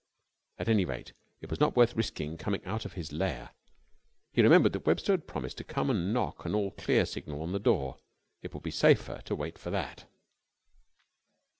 At any rate, it was not worth risking coming out of his lair. He remembered that Webster had promised to come and knock an all clear signal on the door. It would be safer to wait for that.